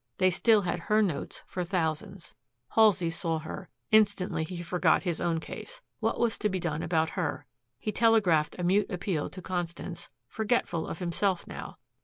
They still had her notes for thousands. Halsey saw her. Instantly he forgot his own case. What was to be done about her? He telegraphed a mute appeal to Constance, forgetful of himself now.